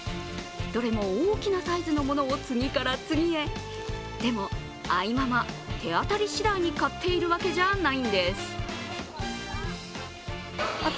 どれも大きなサイズのものを次から次へ、でも愛ママ、手当たりしだいに買っているわけじゃないんです。